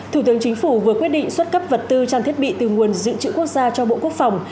thủ tướng chính phủ vừa quyết định xuất cấp vật tư trang thiết bị từ nguồn dự trữ quốc gia cho bộ quốc phòng